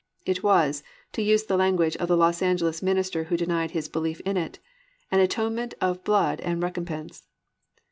It was, to use the language of the Los Angeles minister who denied his belief in it, "an atonement of blood and recompense."